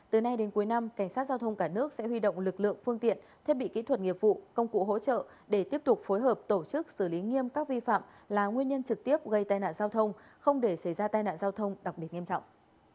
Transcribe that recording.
từ nay đến cuối năm cảnh sát giao thông cả nước sẽ huy động lực lượng phương tiện thiết bị kỹ thuật nghiệp vụ công cụ hỗ trợ để tiếp tục phối hợp tổ chức xử lý nghiêm các vi phạm là nguyên nhân trực tiếp gây tai nạn giao thông không để xảy ra tai nạn giao thông đặc biệt nghiêm trọng